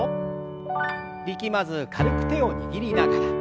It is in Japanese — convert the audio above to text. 力まず軽く手を握りながら。